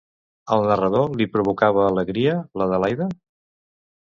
Al narrador li provocava alegria, l'Adelaida?